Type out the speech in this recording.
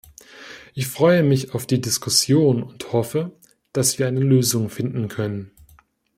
Ich freue mich auf die Diskussion und hoffe, dass wir eine Lösung finden können.